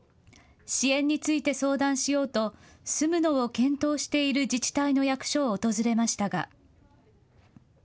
支援について相談しようと、住むのを検討している自治体の役所を訪れましたが。